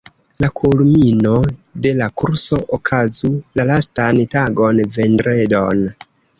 La kulmino de la kurso okazu la lastan tagon, vendredon.